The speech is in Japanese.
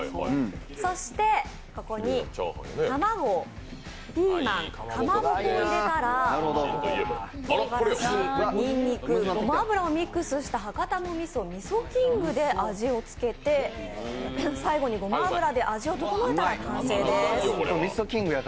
そして、ここに卵、ピーマンかまぼこを入れたら、とうがらし、ニンニク、ごま油をミックスした博多のみそ、味噌王で味をつけて最後にごま油で味をととのえたら完成です。